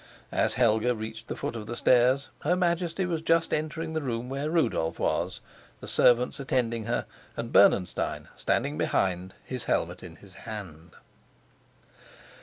As Helga reached the foot of the stairs, her Majesty was just entering the room where Rudolf was, the servants attending her, and Bernenstein standing behind, his helmet in his hand.